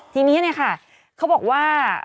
ทีนี้เขาบอกว่า